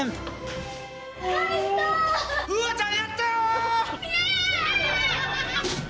楓空ちゃんやったよ！